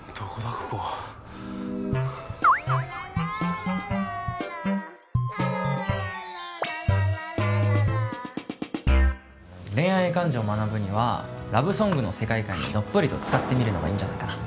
ここ恋愛感情を学ぶにはラブソングの世界観にどっぷりとつかってみるのがいいんじゃないかな